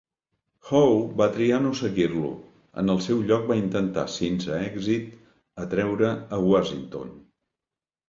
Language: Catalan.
Howe va triar no seguir-lo, en el seu lloc va intentar, sense èxit, atreure a Washington.